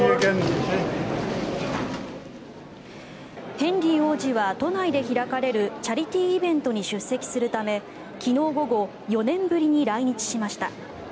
ヘンリー王子は都内で開かれるチャリティーイベントに出席するため昨日午後４年ぶりに来日しました。